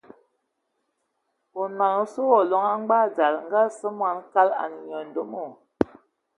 Onɔn o sɔ wa loŋ a ngbag dzal, ngə o sə wa man kal, o nə wa nyandomo.